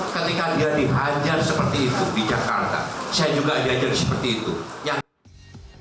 ketika dia dihajar seperti itu di jakarta saya juga diajar seperti itu